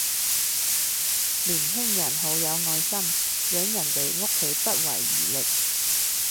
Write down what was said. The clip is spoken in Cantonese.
年輕人好有愛心，養人哋屋企不遺餘力